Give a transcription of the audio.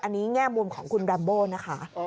อันนี้แง่มุมของคุณแรมโบนะคะ